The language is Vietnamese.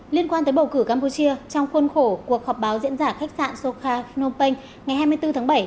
liên quan tới bầu cử campuchia trong khuôn khổ cuộc họp báo diễn giả khách sạn soka phnom penh ngày hai mươi bốn tháng bảy